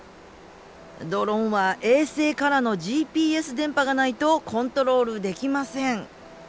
ドローンは衛星からのＧＰＳ電波がないとコントロールできません。